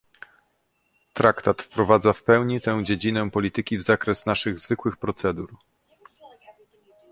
Traktat wprowadza w pełni tę dziedzinę polityki w zakres naszych zwykłych procedur